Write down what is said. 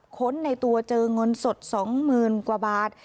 ค้นในตัวเจองนสดสองหมื่นกว่าบาท